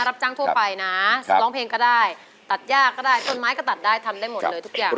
รับจ้างทั่วไปนะร้องเพลงก็ได้ตัดย่าก็ได้ต้นไม้ก็ตัดได้ทำได้หมดเลยทุกอย่าง